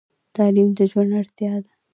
تعلیم د ژوند اړتیا ده.